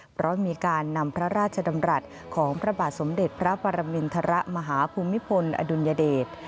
เพราะมีการนำพระราชดำรัฐของพระบาทสมเด็จพระปรมินทรมาฮภูมิพลอดุลยเดช